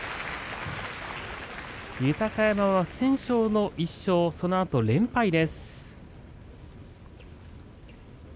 豊山は不戦勝の１勝そのあと不戦敗です。